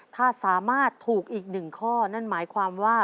ถ้าสามารถถูกอีกหนึ่งข้อนั่นหมายความว่า